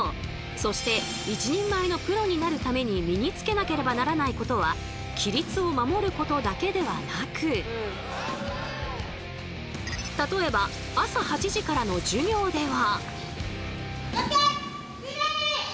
そして一人前のプロになるために身につけなければならないことは規律を守ることだけではなく例えば朝８時からの授業では。